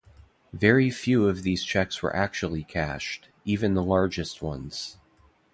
Very few of these checks were actually cashed, even the largest ones.